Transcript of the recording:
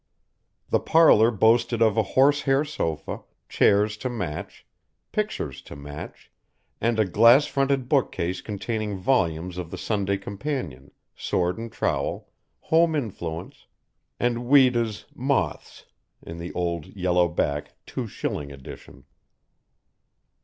The parlour boasted of a horsehair sofa, chairs to match, pictures to match, and a glass fronted bookcase containing volumes of the Sunday Companion, Sword and Trowel, Home Influence, and Ouida's "Moths" in the old, yellow back, two shilling edition.